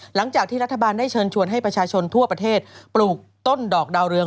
หลังจากที่รัฐบาลได้เชิญชวนให้ประชาชนทั่วประเทศปลูกต้นดอกดาวเรือง